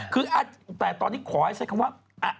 คือแต่ตอนนี้ขอให้ใช้คำว่า